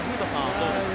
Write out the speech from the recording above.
どうですか？